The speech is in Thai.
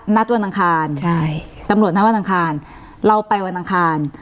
นัดวันอังคารใช่ตำรวจนัดวันอังคารเราไปวันอังคาร